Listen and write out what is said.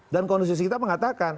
dan kondisi kita mengatakan